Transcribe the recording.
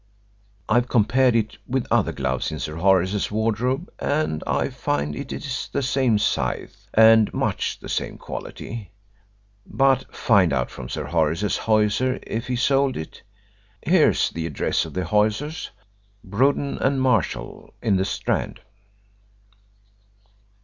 I've compared it with other gloves in Sir Horace's wardrobe, and I find it is the same size and much the same quality. But find out from Sir Horace's hosier if he sold it. Here's the address of the hosiers, Bruden and Marshall, in the Strand."